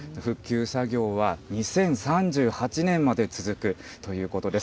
復旧作業は２０３８年まで続くということです。